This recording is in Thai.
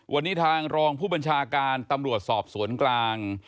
วันนี้ทางรองผู้บัญชาการตำรวจสอบสวนกลาง